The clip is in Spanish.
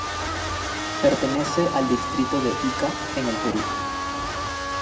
Pertenece al distrito de Ica, en el Perú.